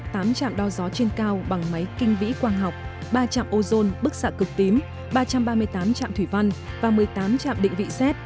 tám trạm đo gió trên cao bằng máy kinh vĩ quang học ba trạm ozone bức xạ cực tím ba trăm ba mươi tám trạm thủy văn và một mươi tám trạm định vị xét